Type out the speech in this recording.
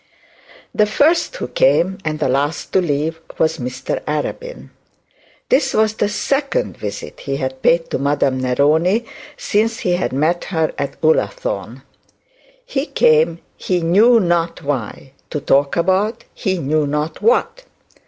The first who came and the last to leave was Mr Arabin. This was the second visit he had paid to Madame Neroni since he had met her at Ullathorne. He came he knew not why, to talk about he knew not what.